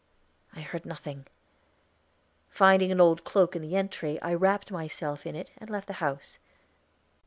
I heard nothing. Finding an old cloak in the entry, I wrapped myself in it and left the house.